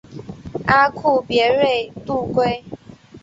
阿库别瑞度规。